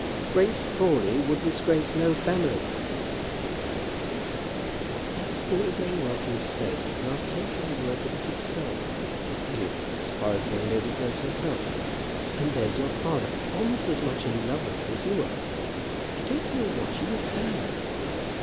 "Grace Crawley would disgrace no family," said the lover. "That's all very well for you to say, and I'll take your word that it is so; that is as far as the young lady goes herself. And there's your father almost as much in love with her as you are. I don't know what you would have?"